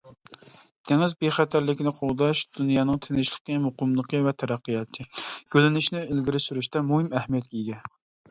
دېڭىز بىخەتەرلىكىنى قوغداش دۇنيانىڭ تىنچلىقى، مۇقىملىقى ۋە تەرەققىياتى، گۈللىنىشىنى ئىلگىرى سۈرۈشتە مۇھىم ئەھمىيەتكە ئىگە.